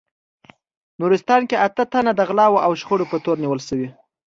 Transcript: نورستان کې اته تنه د غلاوو او شخړو په تور نیول شوي